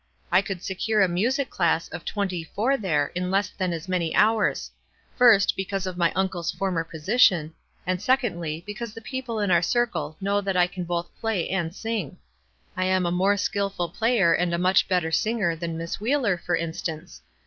I could secure a music class of twenty four there in less than as many hours ; first, because of my uncle's former position, and, secondly, because the people in our circle know that I can both play and sing. I am a more skillful player and a much better singer than Miss Wheeler, for instance.